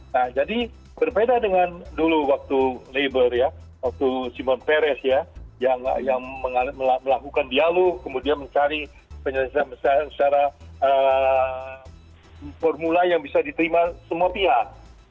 nah jadi berbeda dengan dulu waktu labour waktu simon peres ya yang melakukan dialog kemudian mencari formula yang bisa diterima semua pihak